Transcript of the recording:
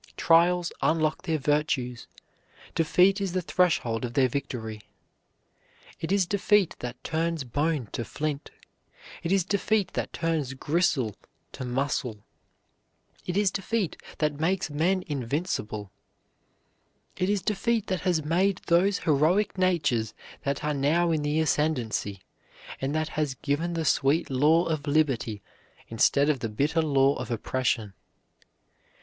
Trials unlock their virtues; defeat is the threshold of their victory. It is defeat that turns bone to flint; it is defeat that turns gristle to muscle; it is defeat that makes men invincible; it is defeat that has made those heroic natures that are now in the ascendency, and that has given the sweet law of liberty instead of the bitter law of oppression.